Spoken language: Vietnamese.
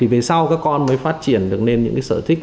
về sau các con mới phát triển được nên những sở thích